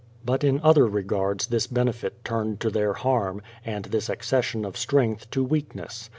But in other regards this benefit turned to their harm, and this accession of strength to weakness.